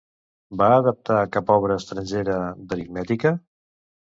Va adaptar cap obra estrangera d'aritmètica?